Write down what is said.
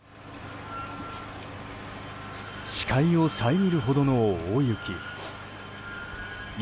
視界を遮るほどの大雪。